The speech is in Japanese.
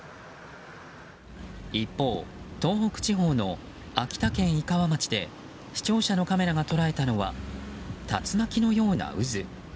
一方、東北地方の秋田県井川町で視聴者のカメラが捉えたのは竜巻のような渦。